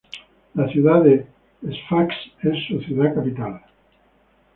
La ciudad de Sfax es su ciudad capital.